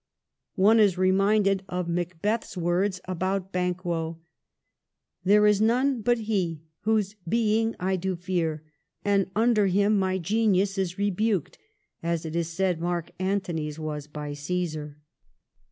One is re minded of Macbeth's words about Banquo — There is none but he Who's being I do fear ; and under him My genius is rebui'd ; as it is said Mark Antony's was by Caesar.